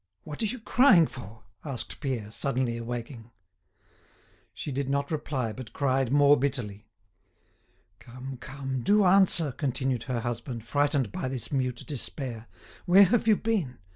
What are you crying for?" asked Pierre, suddenly awaking. She did not reply, but cried more bitterly. "Come, come, do answer," continued her husband, frightened by this mute despair. "Where have you been?